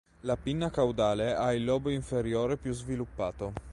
La pinna caudale ha il lobo inferiore più sviluppato.